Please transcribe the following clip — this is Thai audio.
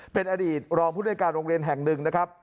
เป็นอดีตรองผู้ในการโรงเรียนแห่งหนึ่งนะครับ